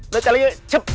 dan calinya cep